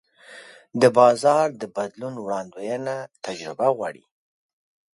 د بازار د بدلون وړاندوینه تجربه غواړي.